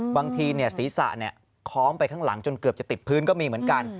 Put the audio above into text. บางทีศีรษะคล้องไปข้างหลังจนเกือบจะติดพื้นก็มีเหมือนกัน